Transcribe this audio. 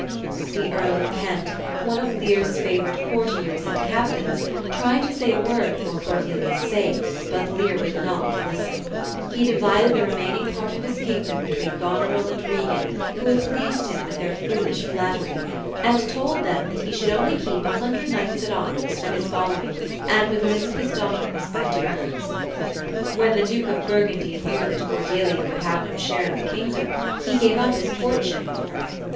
The Earl of Kent, one of Lear's favorite courtiers and cap tains, tried to say a word for Cordelia's sake, but Lear would not J. Children'a Shakttpeare 26 THE CHILDRISN'S SHAKESPEARE. listen. He divided the remaining part of his kingdom between Gon eril and Regan, who had pleased him with their foolish flattery, and told them that he should only keep a hundred knights at arms for his following, and would live with his daughters by turns. When the Duke of Burgundy knew that Cordelia would have no share of the kingdom, he gave up his courtship of her.